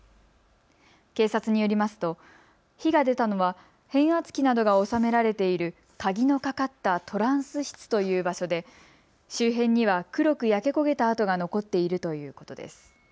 警察によりますと火が出たのは変圧器などが収められている鍵の掛かったトランス室という場所で周辺には黒く焼け焦げた跡が残っているということです。